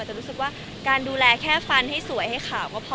แต่รู้สึกว่าการดูแลแค่ฟันให้สวยให้ขาวก็พอ